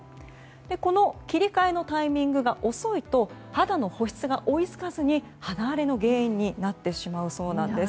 この切り替えのタイミングが遅いと肌の保湿が追いつかずに肌荒れの原因になってしまうそうなんです。